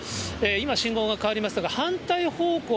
今、信号が変わりましたが、反対方向